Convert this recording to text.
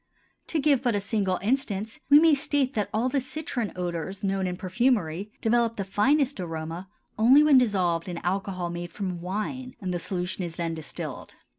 To give but a single instance we may state that all the citron odors known in perfumery develop the finest aroma only when dissolved in alcohol made from wine and the solution is then distilled.